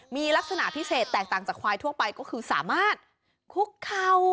มีลักษณะพิเศษแตกต่างจากควายทั่วไปก็คือสามารถคุกเข่า